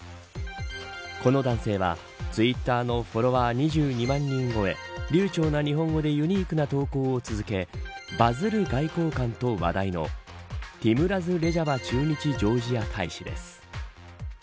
この男性はツイッターのフォロワー２２万人超え流ちょうな日本語でユニークな投稿を続けバズる外交官と話題のティムラズ・レジャバ駐日ジョージア大使です。